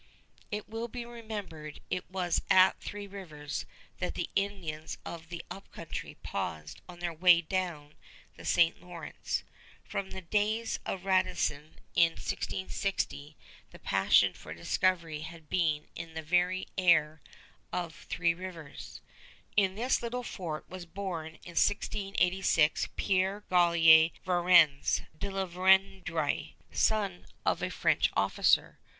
It will be remembered it was at Three Rivers that the Indians of the Up Country paused on their way down the St. Lawrence. From the days of Radisson in 1660 the passion for discovery had been in the very air of Three Rivers. In this little fort was born in 1686 Pierre Gaultier Varennes de La Vérendrye, son of a French officer.